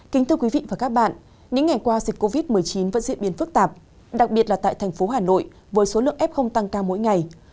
kính thưa quý vị và các bạn những ngày qua dịch covid một mươi chín vẫn diễn biến phức tạp đặc biệt là tại thành phố hà nội với số lượng f tăng cao mỗi ngày